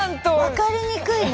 分かりにくいな。